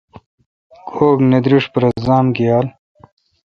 گوگھ میدریش ،پرہ زام گیال